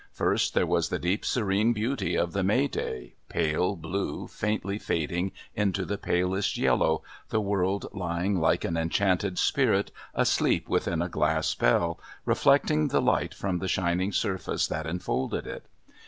First there was the deep serene beauty of the May day, pale blue faintly fading into the palest yellow, the world lying like an enchanted spirit asleep within a glass bell, reflecting the light from the shining surface that enfolded it.